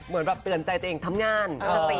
สำหรับเตือนใจตัวเองทำงาน